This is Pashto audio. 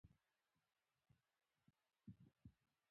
هغه له بوټو سره پیوند ته آریان پاتې وو.